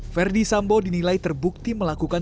verdi sambo dinilai terbukti melakukan